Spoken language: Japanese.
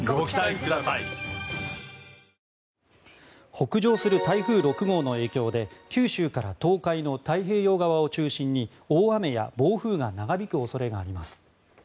北上する台風６号の影響で九州から東海の太平洋側を中心に大雨や暴風が長引く恐れがあります。